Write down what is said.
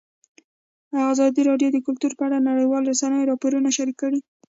ازادي راډیو د کلتور په اړه د نړیوالو رسنیو راپورونه شریک کړي.